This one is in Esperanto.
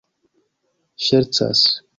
ŝercas